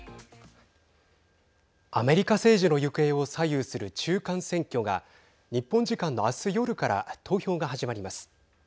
アメリカ政治の行方を左右する中間選挙が日本時間の明日、夜から投票が始まります。